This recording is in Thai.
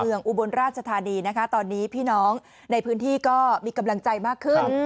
อุบลราชธานีนะคะตอนนี้พี่น้องในพื้นที่ก็มีกำลังใจมากขึ้น